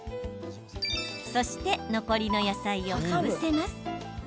そして残りの野菜をかぶせます。